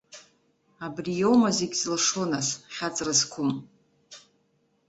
Абри иоума зегь зылшо, нас, хьаҵра зқәым?